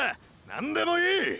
何でもいい！！